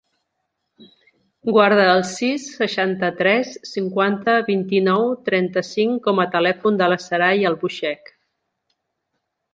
Guarda el sis, seixanta-tres, cinquanta, vint-i-nou, trenta-cinc com a telèfon de la Saray Albuixech.